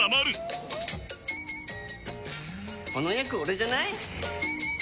この役オレじゃない？